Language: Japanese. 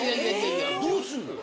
どうすんのよ。